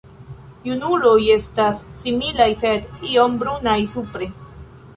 Junuloj estas similaj sed iom brunaj supre.